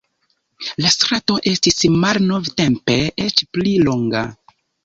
La strato estis malnovtempe eĉ pli longa.